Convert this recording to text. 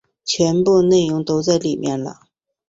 全部内容都在里面了